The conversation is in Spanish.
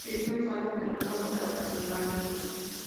Eso es algo que nunca podrá perdonarle.